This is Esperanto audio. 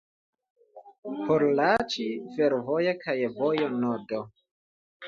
Pollaĉi fervoja kaj vojo nodo.